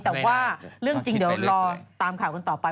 แต่เรื่องจริงเดียวหลอร์ตามข่าวกันต่อไป